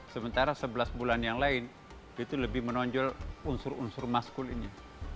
sementara sebelas bulan yang lain itu lebih menonjol unsur unsur maskul ini